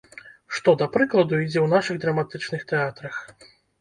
Што, да прыкладу, ідзе ў нашых драматычных тэатрах?